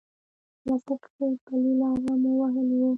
لس دقیقې پلی لاره مو وهلې وه.